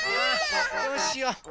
どうしよう？